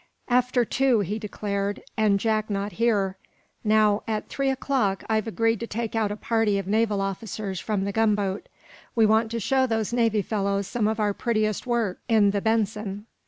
"After two," he declared, "and Jack not here. Now, at three o'clock, I've agreed to take out a party of naval officers from the gunboat. We want to show those Navy fellows some of our prettiest work in the 'Benson.'"